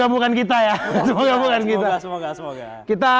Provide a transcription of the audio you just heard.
dia angry central juga kata